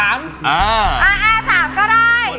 อ่า๓ก็ได้